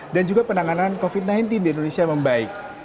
juga penanganan covid sembilan belas di indonesia membaik